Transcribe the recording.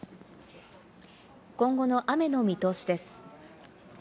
今後の雨の見通しです。